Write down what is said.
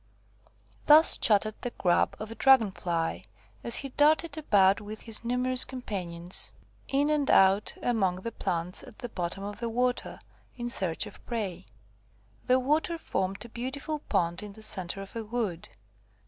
Thus chattered the Grub of a Dragon fly, as he darted about with his numerous companions, in and out among the plants at the bottom of the water, in search of prey. The water formed a beautiful pond in the centre of a wood.